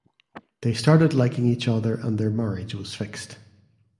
They started liking each other and their marriage was fixed.